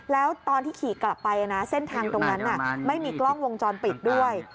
แล้วตอนที่ขี่กลับไปนะเส้นทางตรงนั้นไม่มีกล้องวงจรปิดด้วย